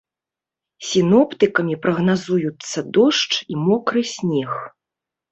Сіноптыкамі прагназуюцца дождж і мокры снег.